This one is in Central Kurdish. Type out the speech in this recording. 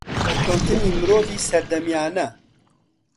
دەرکەوتنی مرۆڤی سەردەمیانە